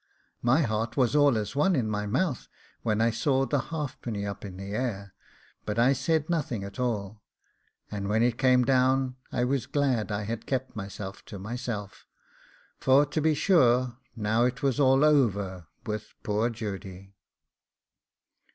My heart was all as one as in my mouth when I saw the halfpenny up in the air, but I said nothing at all; and when it came down I was glad I had kept myself to myself, for to be sure now it was all over with poor Judy.